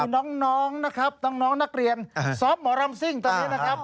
น้องนะครับน้องนักเรียนซอฟต์หมอรำซิ่งตอนนี้นะครับ